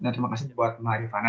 terima kasih kepada teman arifana